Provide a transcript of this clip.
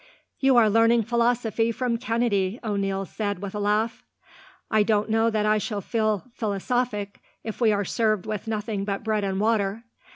"You are learning philosophy from Kennedy," O'Neil said, with a laugh. "I don't know that I shall feel philosophic, if we are served with nothing but bread and water.